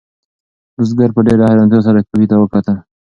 بزګر په ډېرې حیرانتیا سره کوهي ته وکتل.